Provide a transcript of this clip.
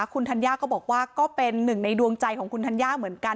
คุณธัญญาก็บอกว่าก็เป็นหนึ่งในดวงใจของคุณธัญญาเหมือนกัน